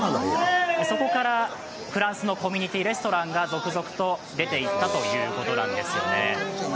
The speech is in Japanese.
そこからフランスのコミュニティー、レストランが続々と出ていったということなんですよね。